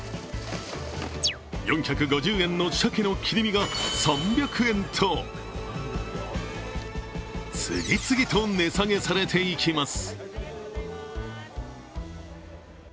４５０円の鮭の切り身が３００円と次々と値下げされていきます。